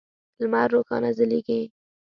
لمر روښانه ځلیږی